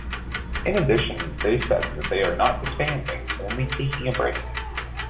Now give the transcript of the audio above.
In addition, they said they are not disbanding, only taking a break.